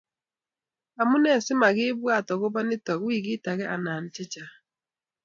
amunee si makibwat akobo nitok wikit age anan chechang'